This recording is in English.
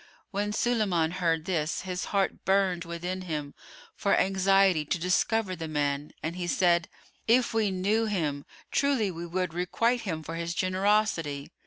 '" When Sulayman heard this, his heart burned within him for anxiety to discover the man, and he said, "If we knew him, truly we would requite him for his generosity."